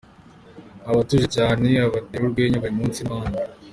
Abatuje cyane, abatera urwenya buri munsi n’abandi.